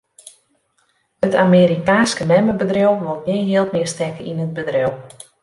It Amerikaanske memmebedriuw wol gjin jild mear stekke yn it bedriuw.